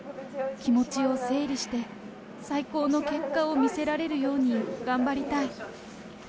気持ちを整理して、最高の結果を見せられるように頑張りたい。